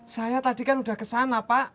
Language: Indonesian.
saya tadi kan sudah kesana pak